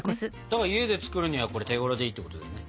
だから家で作るにはこれ手ごろでいいってことだよね。